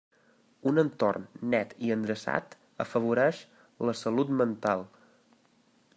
Un entorn net i endreçat afavoreix la salut mental.